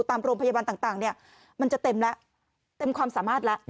ตามโรงพยาบาลต่างมันจะเต็มความสามารถละ